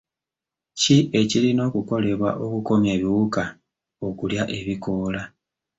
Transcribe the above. Ki ekirina okukolebwa okukomya ebiwuka okulya ebikoola?